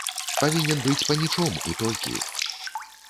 Павінен быць панічом, і толькі.